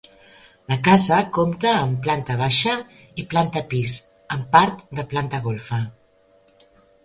La casa compta amb planta baixa i planta pis amb part de planta golfa.